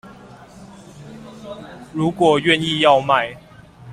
如果願意要賣